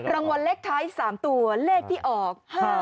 รางวัลเลขท้าย๓ตัวเลขที่ออก